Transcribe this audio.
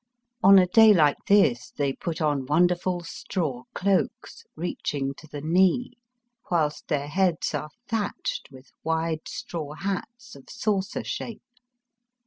On a day like this they put on wonderful straw cloaks, reaching to the knee, whilst their heads are thatched with wide straw hats of saucer shape.